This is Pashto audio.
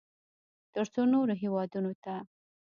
ترڅو نورو هېوادونو ته